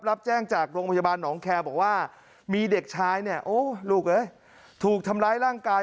รับแจ้งจากโรงพยาบาลโรงแคร์บอกว่ามีเด็กชายลูกถูกทำร้ายร่างไกล